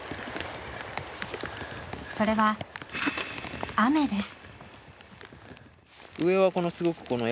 それは雨です。